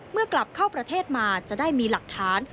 กลับเข้าประเทศมาจะได้มีหลักฐาน